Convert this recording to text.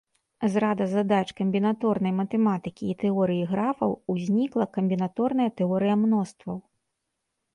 З рада задач камбінаторнай матэматыкі і тэорыі графаў узнікла камбінаторная тэорыя мностваў.